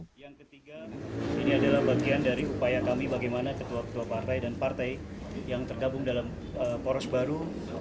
yang ketiga ini adalah bagian dari upaya kami bagaimana ketua ketua partai dan partai yang tergabung dalam poros baru